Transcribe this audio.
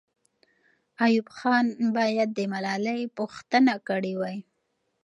ایوب خان باید د ملالۍ پوښتنه کړې وای.